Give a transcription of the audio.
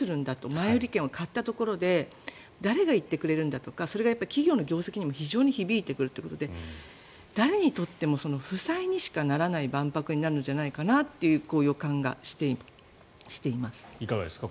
前売り券を買ったところで誰が行ってくれるんだとかそれが企業の業績にも非常に響いてくるということで誰にとっても負債にしかならない万博になるんじゃないかなといういかがですか？